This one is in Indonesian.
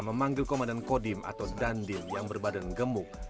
memanggil komandan kodim atau dandil yang berbadan gemuk